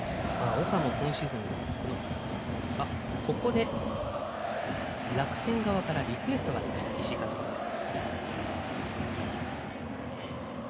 ここで楽天側からリクエストがありました石井監督です。